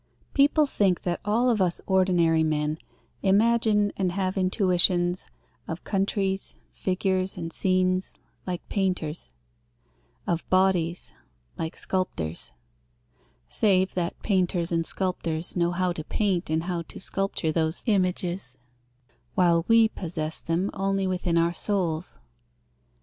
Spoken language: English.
People think that all of us ordinary men imagine and have intuitions of countries, figures and scenes, like painters; of bodies, like sculptors; save that painters and sculptors know how to paint and to sculpture those images, while we possess them only within our souls.